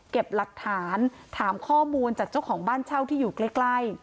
หลักฐานถามข้อมูลจากเจ้าของบ้านเช่าที่อยู่ใกล้